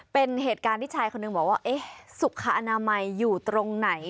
เป็นเหตุการณ์ที่ชายคนหนึ่งบอกว่าสุขอนามัยอยู่ตรงไหน